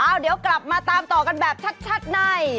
เดี๋ยวกลับมาตามต่อกันแบบชัดใน